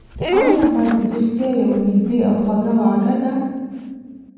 ایا مرګ رښتیا یوه نږدې او خوږه وعده ده؟